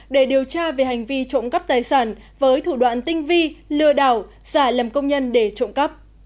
để điều tra về hành vi trộm cắp tài sản với thủ đoạn tinh vi lừa đảo giả lầm công nhân để trộm cắp